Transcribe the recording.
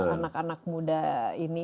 anak anak muda ini